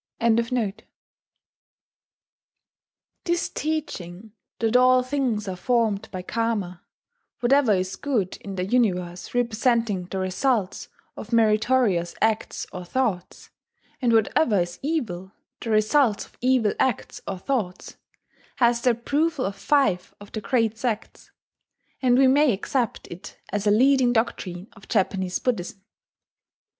] This teaching that all things are formed by Karma whatever is good in the universe representing the results of meritorious acts or thoughts; and what ever is evil, the results of evil acts or thoughts has the approval of five of the great sects; and we may accept it as a leading doctrine of Japanese Buddhism....